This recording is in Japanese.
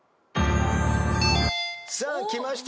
さあきました